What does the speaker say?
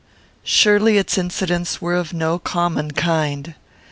Surely its incidents were of no common kind.